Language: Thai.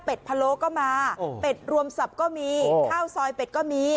เป็ดภรโลก็มาอ๋อเต็ดรวมศัพท์ก็มีอ๋อข้าวซอยเป็ดก็มีอ๋อ